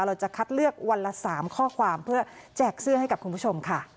เราจะคัดเลือกวันละ๓ข้อความเพื่อแจกเสื้อให้กับคุณผู้ชมค่ะ